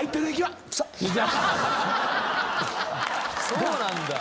そうなんだ。